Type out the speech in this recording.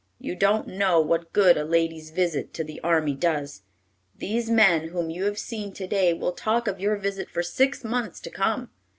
You don't know what good a lady's visit to the army does. These men whom you have seen to day will talk of your visit for six months to come.